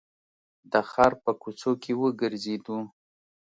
د ښار په کوڅو کې وګرځېدو.